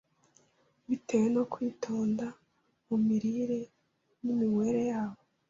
bitewe no kwitonda mu mirire n’iminywere yabo.